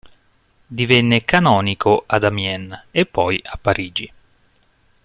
Divenne canonico ad Amiens e poi a Parigi.